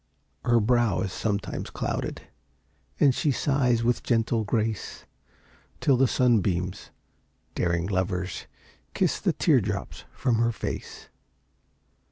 Her brow is sometimes clouded, And she sighs with gentle grace, Till the sunbeams, daring lovers, Kiss the teardrops from her face.